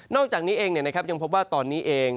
อกจากนี้เองยังพบว่าตอนนี้เอง